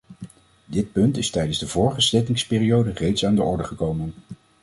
Dit punt is tijdens de vorige zittingsperiode reeds aan de orde gekomen.